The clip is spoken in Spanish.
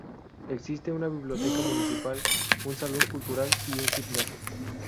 Existe una biblioteca municipal, un salón cultural y un gimnasio.